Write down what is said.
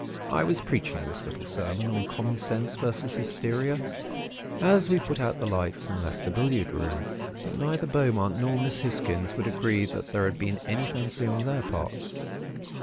"I was preaching this little sermon on common sense, versus hysteria, as we put out the lights and left the billiard room. But neither Beaumont nor Miss Hisgins would agree that there had been any fancy on their parts.